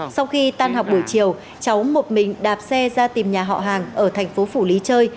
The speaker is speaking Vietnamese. sau khi tan học buổi chiều cháu một mình đạp xe ra tìm nhà họ hàng ở thành phố phủ lý chơi